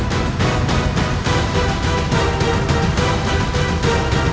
katanya tidak saya bersama si januari